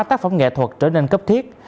tác phẩm nghệ thuật trở nên cấp thiết